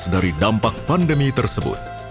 dari dampak pandemi tersebut